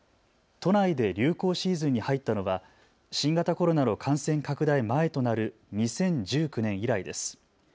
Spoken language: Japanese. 都内で流行シーズンに入ったのは新型コロナの感染拡大前となる２０１９年以来です。